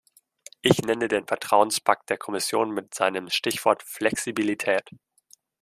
Ich nenne den Vertrauenspakt der Kommission mit seinem Stichwort "Flexibilität" .